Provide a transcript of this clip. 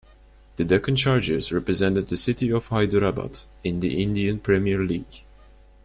The Deccan Chargers represented the city of Hyderabad in the Indian Premier League.